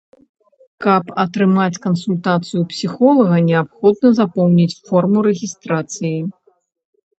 Каб атрымаць кансультацыю псіхолага, неабходна запоўніць форму рэгістрацыі.